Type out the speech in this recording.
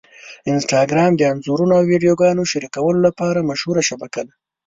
انسټاګرام د انځورونو او ویډیوګانو شریکولو لپاره مشهوره شبکه ده.